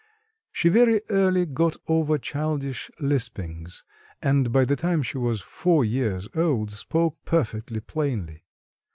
She very early got over childish lispings, and by the time she was four years old spoke perfectly plainly.